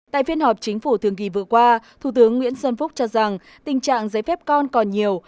tại phiên họp chính phủ thường kỳ vừa qua thủ tướng nguyễn xuân phúc cho rằng tình trạng giấy phép con còn nhiều